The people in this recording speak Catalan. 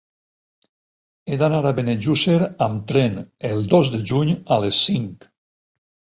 He d'anar a Benejússer amb tren el dos de juny a les cinc.